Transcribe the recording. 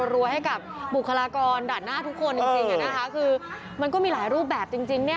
รวยให้กับบุคลากรด่านหน้าทุกคนจริงคือมันก็มีหลายรูปแบบจริงเนี่ย